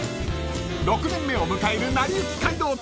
［６年目の迎える『なりゆき街道旅』］